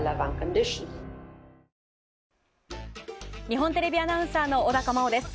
日本テレビアナウンサーの小高茉緒です。